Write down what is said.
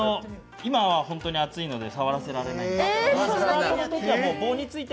今は本当に熱いので触らせられない。